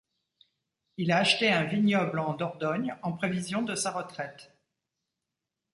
Il a acheté un vignoble en Dordogne en prévision de sa retraite.